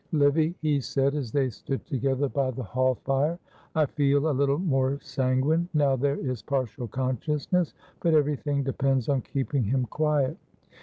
"Livy," he said, as they stood together by the hall fire, "I feel a little more sanguine now there is partial consciousness, but everything depends on keeping him quiet.